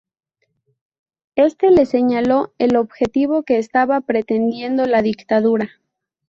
Este le señaló el objetivo que estaba pretendiendo la dictadura.